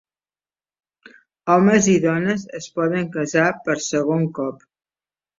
Homes i dones es poden casar per segon cop.